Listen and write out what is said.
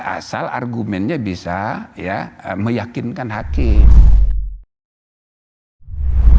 asal argumennya bisa meyakinkan hakim